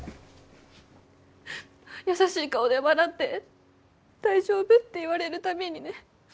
優しい顔で笑って大丈夫って言われる度にね